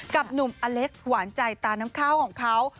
กับหนุ่มอเล็กซ์หวานใจตาน้ำข้าวของเขา